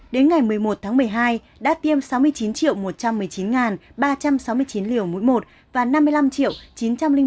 đến ngày một mươi một tháng một mươi hai đã tiêm sáu mươi chín một trăm một mươi chín ba trăm sáu mươi chín liều mũi một và năm mươi năm chín trăm linh một chín trăm ba mươi năm liều mũi hai